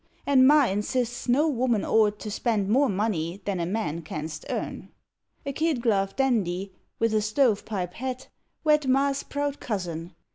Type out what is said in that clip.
And ma insists no woman ort To spend more money than a man canst earn. A kid gloved dandy with a stove pipe hat Wed ma s proud cousin.